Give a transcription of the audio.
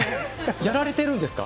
やられてるんですか。